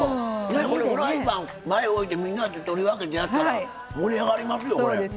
フライパン、前置いてみんなで取り分けでやったら盛り上がりますよ。